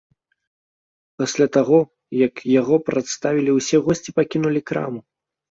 Пасля таго, як яго прадставілі, усе госці пакінулі краму.